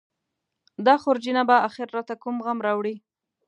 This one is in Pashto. دا خورجینه به اخر راته کوم غم راوړي.